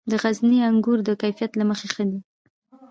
د غزني انګور د کیفیت له مخې ښه دي.